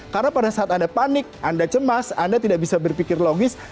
karena pada saat anda panik anda cemas anda tidak bisa berpikir logis